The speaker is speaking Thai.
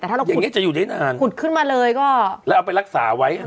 ถ้าเราอย่างเงี้จะอยู่ได้นานขุดขึ้นมาเลยก็แล้วเอาไปรักษาไว้